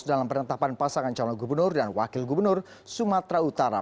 dalam penetapan pasangan calon gubernur dan wakil gubernur sumatera utara